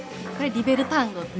『リベルタンゴ』。